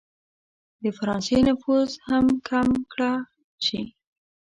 د فرانسې نفوذ هم کم کړه شي.